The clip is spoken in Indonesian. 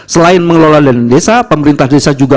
selain mengelola dana desa pemerintah desa juga